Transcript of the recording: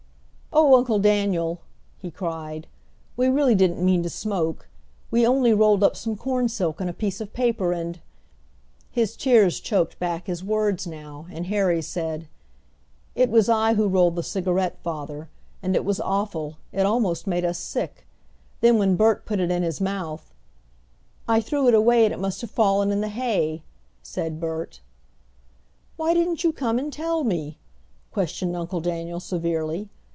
"Oh, Uncle Daniel," he cried, "we really didn't mean to smoke. We only rolled up some corn silk in a piece of paper and " His tears choked back his words now, and Harry said: "It was I who rolled the cigarette, father, and it was awful, it almost made us sick. Then when Bert put it in his mouth " "I threw it away and it must have fallen in the hay!" said Bert. "Why didn't you come and tell me?" questioned Uncle Daniel severely.